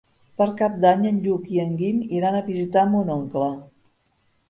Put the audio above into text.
Per Cap d'Any en Lluc i en Guim iran a visitar mon oncle.